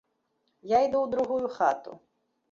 Я іду ў другую хату.